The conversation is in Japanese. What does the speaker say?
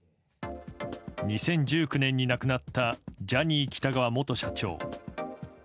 ２０１９年に亡くなったジャニー喜多川元社長。